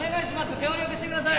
協力してください。